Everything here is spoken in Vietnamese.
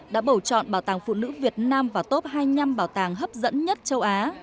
đã bầu chọn bảo tàng phụ nữ việt nam vào top hai mươi năm bảo tàng hấp dẫn nhất châu á